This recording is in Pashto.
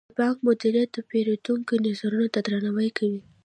د بانک مدیریت د پیرودونکو نظرونو ته درناوی کوي.